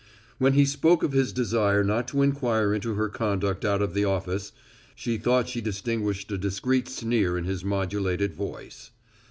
When he spoke of his desire not to inquire into her conduct out of the office, she thought she distinguished a discreet sneer in his modulated voice.